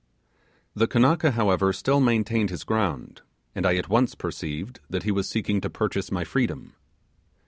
The Kanaka, however, still maintained his ground, and I at once perceived that he was seeking to purchase my freedom.